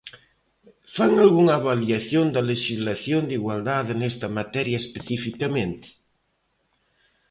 ¿Fan algunha avaliación da lexislación de igualdade nesta materia especificamente?